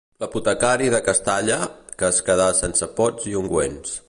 L'apotecari de Castalla, que es quedà sense pots i ungüents.